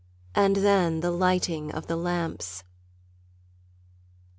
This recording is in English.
And then the lighting of the lamps.